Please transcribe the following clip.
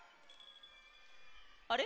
あれ？